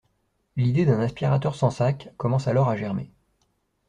L'idée d'un aspirateur sans sac commence alors à germer.